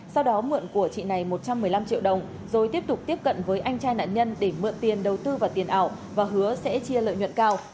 sau đó mượn của chị này một trăm một mươi năm triệu đồng rồi tiếp tục tiếp cận với anh trai nạn nhân để mượn tiền đầu tư vào tiền ảo và hứa sẽ chia lợi nhuận cao